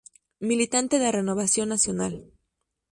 Militante de Renovación Nacional.